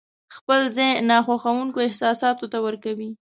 خپل ځای ناخوښونکو احساساتو ته ورکوي.